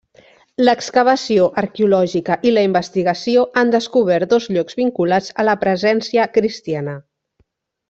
L'excavació arqueològica i la investigació han descobert dos llocs vinculats a la presència cristiana.